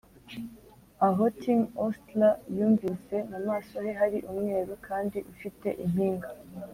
aho tim ostler yumvise; mu maso he hari umweru kandi ufite impinga;